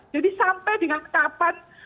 jadi sampai dengan kapan